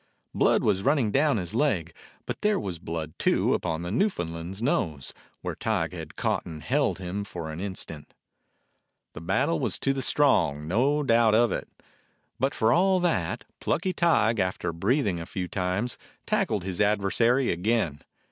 Blood was running down his leg, but there was blood, too, upon the Newfoundland's nose, where Tige had caught and held him for an in stant. The battle was to the strong ; no doubt of it. But for all that, plucky Tige, after breathing a few times, tackled his adversary again.